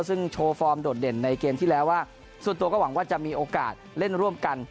ซึ่งโชว์ฟอร์มโดดเด่นในเกมที่แล้วว่าส่วนตัวก็หวังว่าจะมีโอกาสเล่นร่วมกัน